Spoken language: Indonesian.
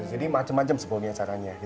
jadi macam macam sebenarnya caranya